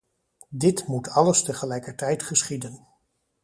Dit moet alles tegelijkertijd geschieden.